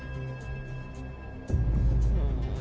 うん。